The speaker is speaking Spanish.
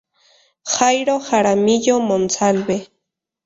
Jairo Jaramillo Monsalve.